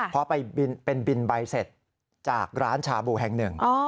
พอไปเป็นบินใบเสร็จจากร้านชาบูแห่งหนึ่ง